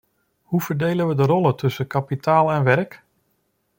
Hoe verdelen we de rollen tussen kapitaal en werk?